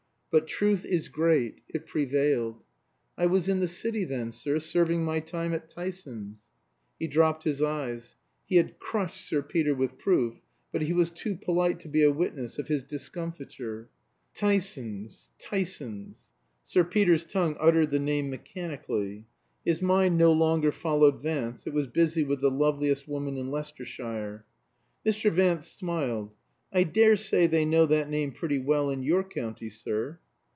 But truth is great. It prevailed. "I was in the City then, sir, serving my time at Tyson's." He dropped his eyes. He had crushed Sir Peter with proof, but he was too polite to be a witness of his discomfiture. "Tyson's Tyson's." Sir Peter's tongue uttered the name mechanically. His mind no longer followed Vance; it was busy with the loveliest woman in Leicestershire. Mr. Vance smiled. "I daresay they know that name pretty well in your county, sir."